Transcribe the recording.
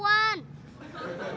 haa ada suara muter